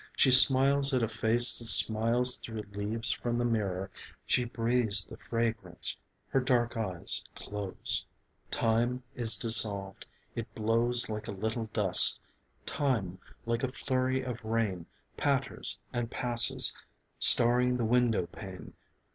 She smiles at a face that smiles through leaves from the mirror. She breathes the fragrance; her dark eyes close ... Time is dissolved, it blows like a little dust: Time, like a flurry of rain, Patters and passes, starring the window pane.